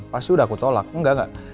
pasti udah aku tolak enggak